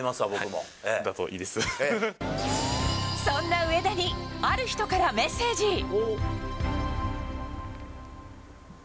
そんな上田にある人からメッセージ。